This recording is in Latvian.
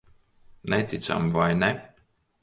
Neticami, vai ne?